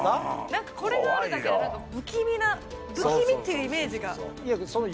何かこれがあるだけで不気味な不気味っていうイメージが。